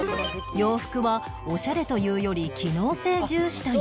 洋服はオシャレというより機能性重視という